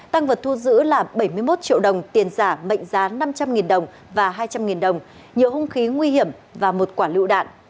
tăng vật thu giữ là bảy mươi một triệu đồng tiền giả mệnh giá năm trăm linh đồng và hai trăm linh đồng nhiều hung khí nguy hiểm và một quả lựu đạn